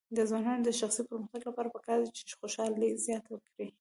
د ځوانانو د شخصي پرمختګ لپاره پکار ده چې خوشحالي زیاته کړي.